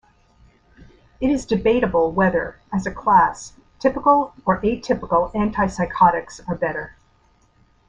It is debatable whether, as a class, typical or atypical antipsychotics are better.